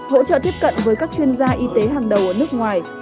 hỗ trợ tiếp cận với các chuyên gia y tế hàng đầu ở nước ngoài